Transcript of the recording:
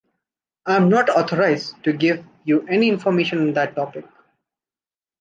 I am not authorized to give you any information on that topic.